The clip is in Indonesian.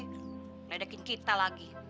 ngedekin kita lagi